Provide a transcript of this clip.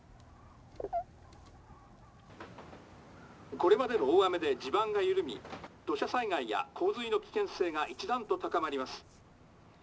「これまでの大雨で地盤が緩み土砂災害や洪水の危険性が一段と高まります。